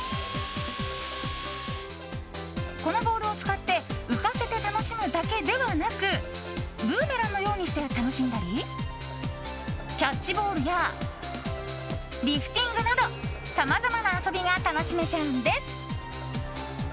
このボールを使って浮かせて楽しむだけではなくブーメランのようにして楽しんだりキャッチボールやリフティングなどさまざまな遊びが楽しめちゃうんです。